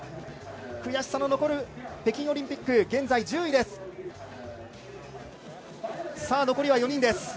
悔しさの残る北京オリンピック、現在１０位です。